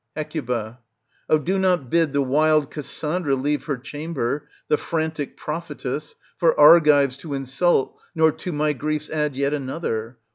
Hec Oh ! do not bid the wild Cassandra leave her cham ber, the frantic prophetess, for Argives to insult, nor to my griefs add yet another.